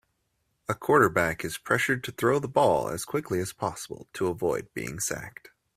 A quarterback is pressured to throw the ball as quickly as possible to avoid being sacked